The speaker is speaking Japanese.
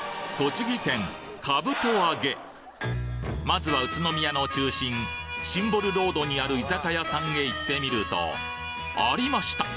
まずは宇都宮の中心シンボルロードにある居酒屋さんへ行ってみるとありました！